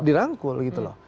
dirangkul gitu loh